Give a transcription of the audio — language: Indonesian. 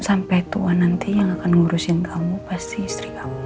sampai tuoh nanti yang akan menguruskan kamu pasoistri kamu